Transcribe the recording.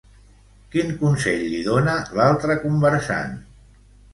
Quin consell li dona l'altre conversant?